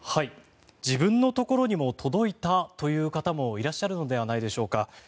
自分のところにも届いたという方もいらっしゃるのではないでしょうか。